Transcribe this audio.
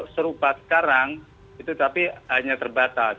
serupa sekarang itu tapi hanya terbatas